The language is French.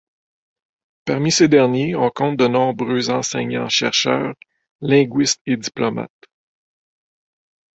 Parmi ces derniers, on compte de nombreux enseignants-chercheurs, linguistes et diplomates.